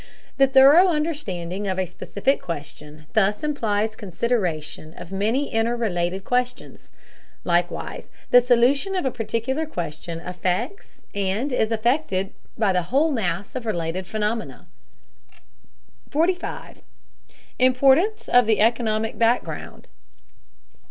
The thorough understanding of a specific question thus implies consideration of many inter related questions. Likewise, the solution of a particular question affects and is affected by the whole mass of related phenomena. 45. IMPORTANCE OF THE ECONOMIC BACKGROUND.